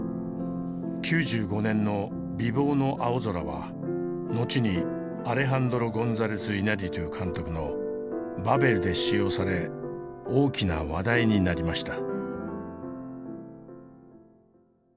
９５年の「ＢｉｂｏｎｏＡｏｚｏｒａ」は後にアレハンドロ・ゴンザレス・イニャリトゥ監督の「バベル」で使用され大きな話題になりました。